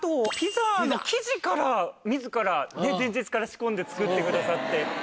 ピザの生地から自ら前日から仕込んで作ってくださって。